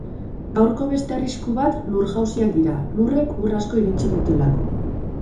Gaurko beste arrisku bat lur-jausiak dira, lurrek ur asko irentsi dutelako.